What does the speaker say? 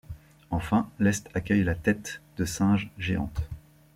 Enfin, l'Est accueille la Tête de Singe Géante.